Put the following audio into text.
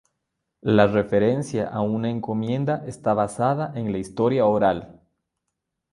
La referencia a una encomienda está basada en la historia oral.